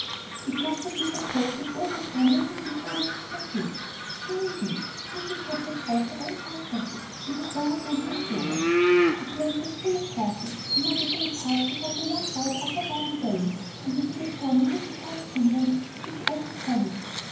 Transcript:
It must not be supposed that all their time went in these domestic pursuits. No, indeed. Mrs. Hope had brought her own side saddle, and had borrowed one for Clover; the place was full of horses, and not a day passed without a long ride up or down the valley, and into the charming little side canyons which opened from it.